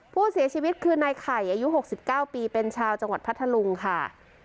ผู้เสียชีวิตคือนายไข่อายุ๖๙ปีเป็นชาวจังหวัดพัทธลุงค่ะ